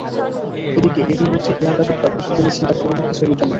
এদিকে, এরই মধ্যে প্রিয়াঙ্কা চোপড়া প্রস্তুতি নিচ্ছেন তাঁর পরবর্তী ছবির জন্য।